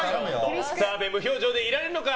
澤部、無表情でいられるのか。